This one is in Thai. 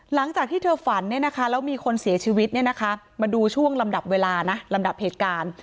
หลังจากที่เธอฝันแล้วมีคนเสียชีวิตมาดูช่วงลำดับเวลานะลำดับเหตุการณ์